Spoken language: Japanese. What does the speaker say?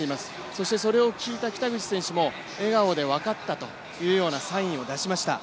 そしてそれを聞いた北口選手も笑顔で分かったというようなサインを出しました。